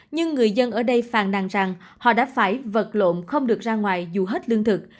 nhưng người dân ở đây phàn nàng rằng họ đã phải vật lộn không được ra ngoài dù hết lương thực